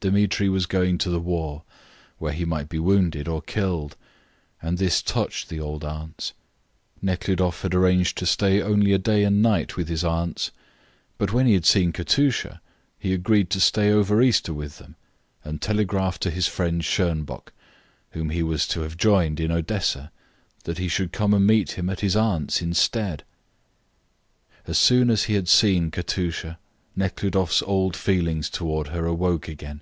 Dmitri was going to the war, where he might be wounded or killed, and this touched the old aunts. Nekhludoff had arranged to stay only a day and night with his aunts, but when he had seen Katusha he agreed to stay over Easter with them and telegraphed to his friend Schonbock, whom he was to have joined in Odessa, that he should come and meet him at his aunts' instead. As soon as he had seen Katusha Nekhludoff's old feelings toward her awoke again.